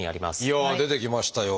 いやあ出てきましたよ。